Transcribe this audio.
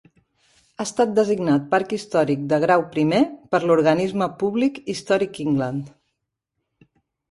Ha estat designat Parc Històric de Grau I per l'organisme públic Historic England.